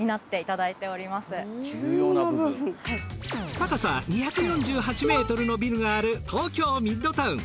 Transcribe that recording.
高さ２４８ｍのビルがある東京ミッドタウン。